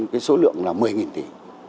cái số lượng là một mươi tỷ